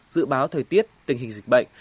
dự báo thời tiết tình hình dịch bệnh